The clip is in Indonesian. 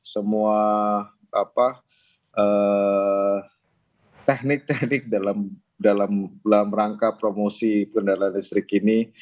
semua teknik teknik dalam rangka promosi kendaraan listrik ini